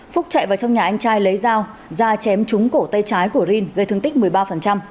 phúc chạy vào trong nhà anh trai lấy dao da chém trúng cổ tay trái của rin gây thương tích một mươi ba